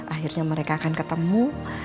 akhirnya mereka akan ketemu